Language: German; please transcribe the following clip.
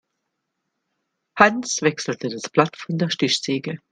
Hans wechselte das Blatt von der Stichsäge.